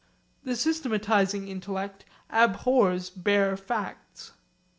The systematising intellect abhors bare facts.